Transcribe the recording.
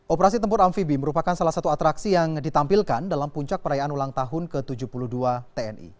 operasi tempur amfibi merupakan salah satu atraksi yang ditampilkan dalam puncak perayaan ulang tahun ke tujuh puluh dua tni